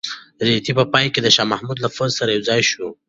رېدی په پای کې د شاه محمود له پوځ سره یوځای شو.